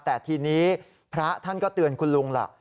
แต่ทีนี้พระท่านก็เตือนคุณลุงล่ะ